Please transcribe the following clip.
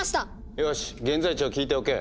よし現在地を聞いておけ。